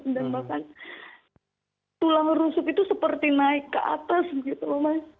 dan bahkan tulang rusuk itu seperti naik ke atas gitu mas